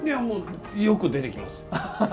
よく出てきます。